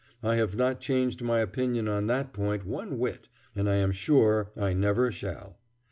I have not changed my opinion on that point one whit, and I am sure I never shall.